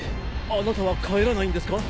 あなたは帰らないんですか？